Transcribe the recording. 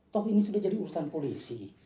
toh ini sudah jadi urusan polisi